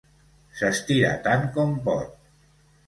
S'estira tant com pot.